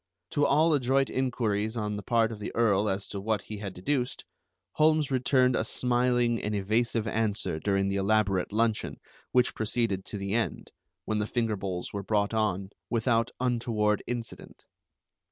To all adroit inquiries on the part of the Earl as to what he had deduced, Holmes returned a smiling and evasive answer during the elaborate luncheon, which proceeded to the end, when the finger bowls were brought on, without untoward incident.